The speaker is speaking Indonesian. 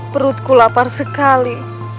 perutku lapar sekali